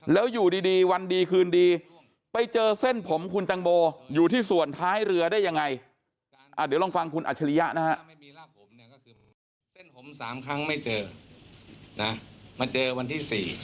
แล้วอยู่ดีวันดีคืนดีไปเจอเส้นผมคุณแตงโมอยู่ที่ส่วนท้ายเรือได้ยังไง